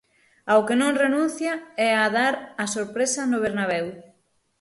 Ao que non renuncia é a dar a sorpresa no Bernabeu.